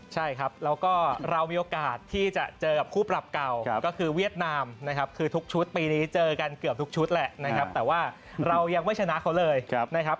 ใช่ครับแล้วก็เรามีโอกาสที่จะเจอกับคู่ปรับเก่าก็คือเวียดนามนะครับคือทุกชุดปีนี้เจอกันเกือบทุกชุดแหละนะครับแต่ว่าเรายังไม่ชนะเขาเลยนะครับ